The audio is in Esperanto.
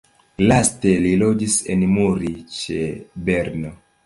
Laste li loĝis en Muri ĉe Berno.